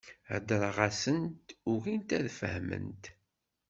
Heddreɣ-asent, ugint ad fehment.